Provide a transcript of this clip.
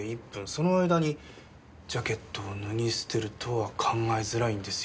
その間にジャケットを脱ぎ捨てるとは考えづらいんですよ。